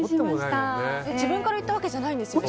自分から言ったわけじゃないんですよね。